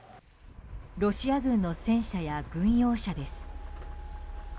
ロシア軍の戦車や軍用車です。